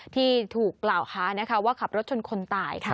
ที่ถูกกล่าวหาว่าขับรถชนคนตายค่ะ